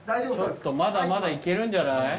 ちょっとまだまだいけるんじゃない？